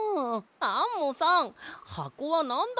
アンモさんはこはなんだったの？